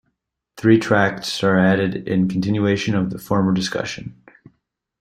Three tracts are added in continuation of the former discussion.